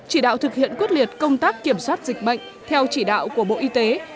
chỉ đạo thực hiện quyết liệt công tác kiểm soát dịch bệnh theo chỉ đạo của bộ y tế